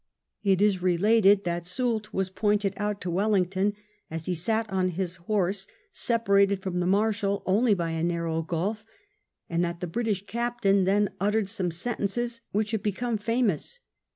It is related that Soult was pointed out to Wellington as he sat on his horse separated from the Marshal only by a narrow gulf; and that the British Captain then uttered some sentences which have become famous.